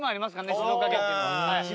静岡県っていうのは。